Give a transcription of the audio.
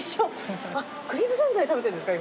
クリームぜんざい食べてるんですか